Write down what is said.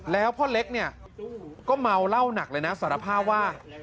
แล้วพ่อเล็กเนี่ยก็เมาเหล้าหนักเลยนะสารภาพว่า